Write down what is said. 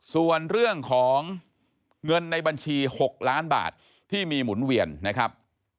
ส่วนเรื่องของเงินในบัญชี๖ล้านบาทที่มีหมุนเวียนนะครับ